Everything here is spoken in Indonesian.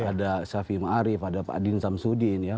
ada shafi'i ma'arif ada pak adin samsudin ya